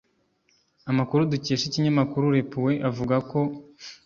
Amakuru dukesha ikinyamakuru le point avuga ko